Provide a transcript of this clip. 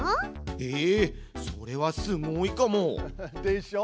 ええそれはすごいかも！でしょ。